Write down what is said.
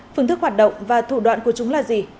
phương thức hoạt động và thủ đoạn của chúng là gì